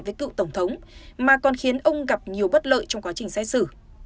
với cựu tổng thống mà còn khiến ông gặp nhiều bất lợi trong quá trình xét xử